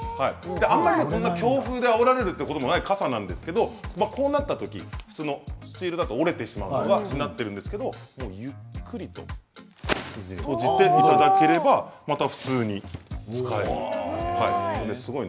あまりこんな強風であおられることのない傘なんですけれどもこうなったとき普通のスチールだと折れてしまうんですがしなっているのでゆっくりと閉じていただければすごい。